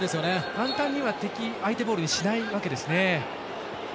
簡単には敵相手ボールにしないわけですよね。